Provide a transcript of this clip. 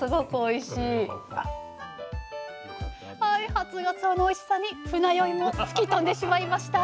初がつおのおいしさに船酔いも吹き飛んでしまいました！